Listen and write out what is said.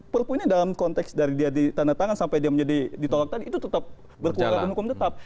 perpu ini dalam konteks dari dia ditandatangan sampai dia menjadi ditolak tadi itu tetap berkekuatan hukum tetap